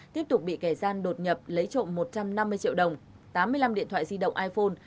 tiếp tục bị kẻ gian đột nhập lấy trộm một trăm năm mươi triệu đồng tám mươi năm điện thoại di động iphone